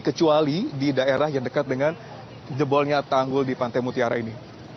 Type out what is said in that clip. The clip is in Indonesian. kecuali di daerah yang dekat dengan jebolnya tanggul di pantai mutiara ini